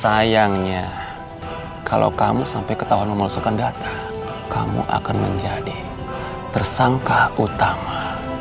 sayangnya kalau kamu sampai ketahuan memalsukan data kamu akan menjadi tersangka utama